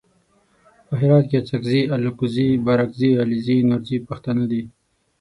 په هرات کې اڅګزي الکوزي بارګزي علیزي نورزي او پښتانه دي.